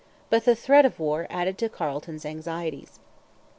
But the threat of war added to Carleton's anxieties.